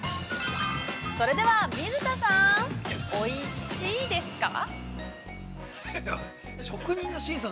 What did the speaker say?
◆それでは水田さん、おいしですか。